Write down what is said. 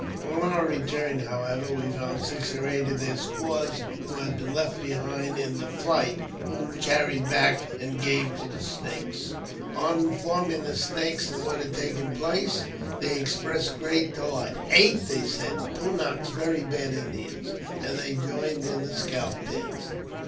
On our return, however, we found six or eight of their squaws, who had been left behind in the flight, whom we carried back and gave to the Snakes. On informing the Snakes of what had taken place, they expressed great delight. "Eight!" they said, " Pun naks very bad Indians ;" and they joined in the scalp dance.